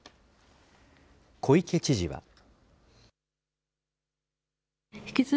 小池知事は。